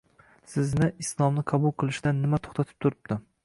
Sizni Islomni qabul qilishdan nima to`xtatib turibdi